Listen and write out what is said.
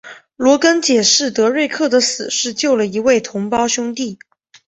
罗根解释德瑞克的死是救了一位同袍兄弟。